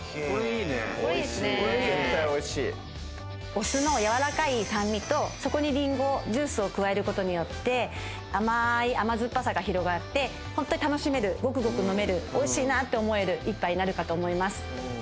お酢の柔らかい酸味とそこにリンゴジュースを加えることによって甘ーい甘酸っぱさが広がってホントに楽しめるゴクゴク飲めるおいしいなって思える一杯になるかと思います。